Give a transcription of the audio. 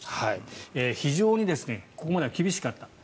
非常にここまでは厳しかった。